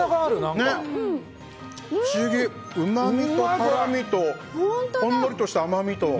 不思議、うまみと辛みとほんのりした甘みと。